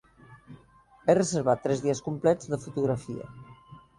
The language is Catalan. He reservat tres dies complets de fotografia.